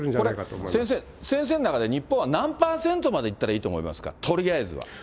これ、先生、先生の中で、日本は何％までいったらいいと思いますか、とりあえずは。